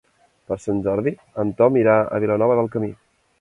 Per Sant Jordi en Ton irà a Vilanova del Camí.